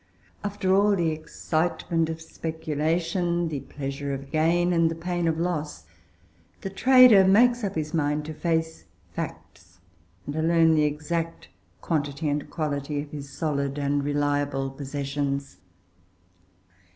After all the excitement of speculation, the pleasure of gain, and the pain of loss, the trader makes up his mind to face facts and to learn the exact quantity and quality of his solid and reliable possessions.